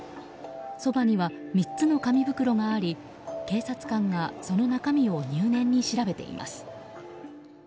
そばには３つの紙袋があり警察官がその中身を入念に調べています。